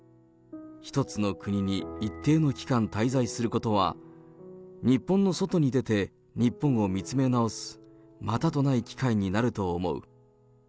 一つの国に一定の期間滞在することは、日本の外に出て、日本を見つめ直すまたとない機会になると思う。